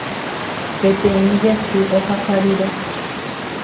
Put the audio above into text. Peteĩ jasy ohasa rire.